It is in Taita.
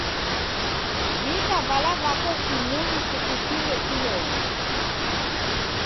W'ika vala vako simunyi kukupime kumoni.